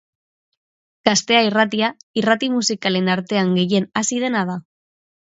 Gaztea irratia, irrati musikalen artean gehien hazi dena da.